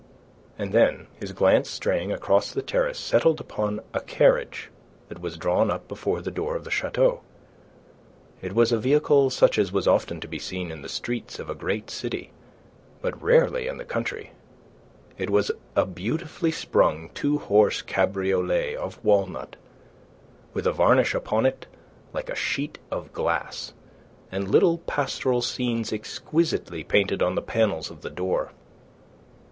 And then, his glance straying across the terrace settled upon a carriage that was drawn up before the door of the chateau. It was a vehicle such as was often to be seen in the streets of a great city, but rarely in the country. It was a beautifully sprung two horse cabriolet of walnut, with a varnish upon it like a sheet of glass and little pastoral scenes exquisitely painted on the panels of the door.